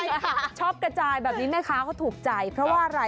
ใช่ค่ะชอบกระจายแบบนี้แม่ค้าเขาถูกใจเพราะว่าอะไร